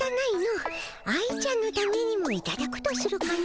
愛ちゃんのためにもいただくとするかの。